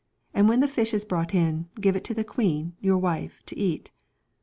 And when the fish is brought in, give it to the queen, your wife, to eat.'